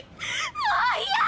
もう嫌！